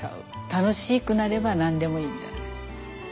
楽しくなれば何でもいいみたいな。